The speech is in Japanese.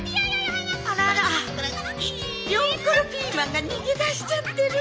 あらあらピョンコロピーマンがにげだしちゃってる！